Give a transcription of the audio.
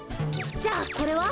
じゃあこれは？